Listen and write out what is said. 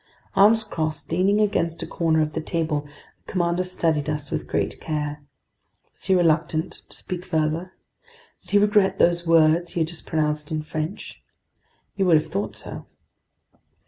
Arms crossed, leaning against a corner of the table, the commander studied us with great care. Was he reluctant to speak further? Did he regret those words he had just pronounced in French? You would have thought so.